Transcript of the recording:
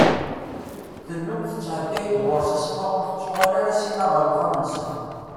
Tennum tattɛedday-d ɣur-s asma ur tettuɣal ara Sima ɣer uxxam-nsen.